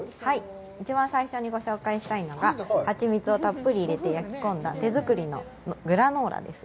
一番最初にご紹介したいのが、ハチミツをたっぷり入れて焼き込んだ手作りのグラノーラです。